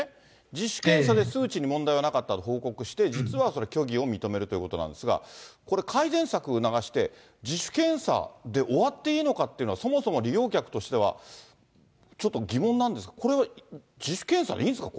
自主検査で数値に問題がなかったと報告して、実はそれ、虚偽を認めるということなんですが、これ、改善策を促して、自主検査で終わっていいのかっていうのは、そもそも利用客としてはちょっと疑問なんですが、これは自主検査でいいんですか？